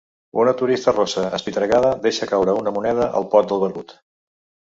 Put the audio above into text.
Una turista rossa espitregada deixa caure una moneda al pot del barbut.